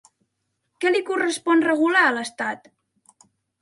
Què li correspon regular a l'Estat?